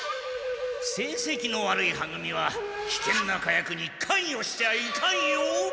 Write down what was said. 成績の悪いは組はきけんな火薬に関与しちゃいかんよ！